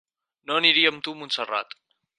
No aniria amb tu a Montserrat.